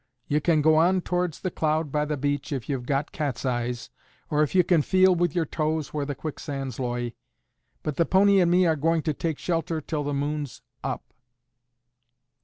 You can go on towards The Cloud by the beach if you've got cat's eyes, or if you can feel with your toes where the quicksands loy; but the pony and me are going to take shelter till the moon's up."